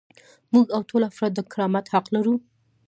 موږ او ټول افراد د کرامت حق لرو.